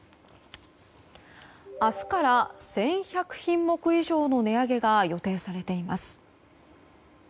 明日から１１００品目以上の値上げが予定されています。